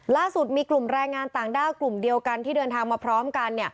ล่าสุดมีกลุ่มแรงงานต่างด้าวกลุ่มเดียวกันที่เดินทางมาพร้อมกัน